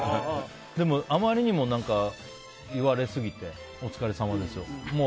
あまりにも言われすぎてお疲れさまですを。